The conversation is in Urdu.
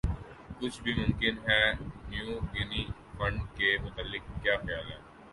کچھ بھِی ممکن ہے نیو گِنی فنڈ کے متعلق کِیا خیال ہے